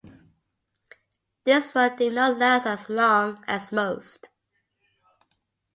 This one did not last as long as most.